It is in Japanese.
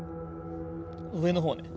上の方ね。